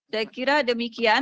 saya kira demikian